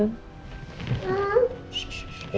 jadi gimana mas